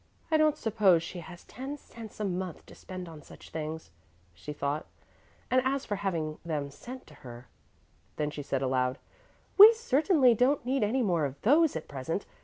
"I don't suppose she has ten cents a month to spend on such things," she thought, "and as for having them sent to her " Then she said aloud, "We certainly don't need any more of those at present.